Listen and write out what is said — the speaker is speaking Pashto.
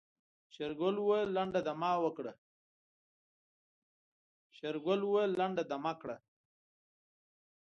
شېرګل وويل لنډه دمه کړه.